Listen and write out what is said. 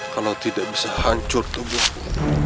kalau tidak bisa hancur tubuhku